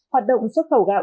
hoạt động xuất khẩu gạo